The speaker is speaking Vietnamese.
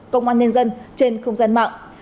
công an nhân dân trên không gian mạng